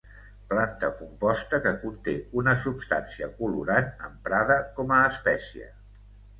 Planta composta que conté una substància colorant emprada com a espècia.